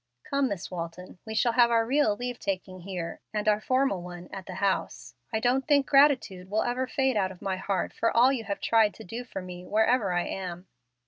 Come, Miss Walton, we shall have our real leave taking here, and our formal one at the house. I don't think gratitude will ever fade out of my heart for all you have tried to do for me, wherever I am.